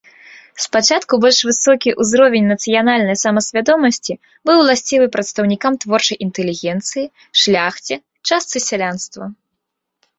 Спачатку больш высокі ўзровень нацыянальнай самасвядомасці быў уласцівы прадстаўнікам творчай інтэлігенцыі, шляхце, частцы сялянства.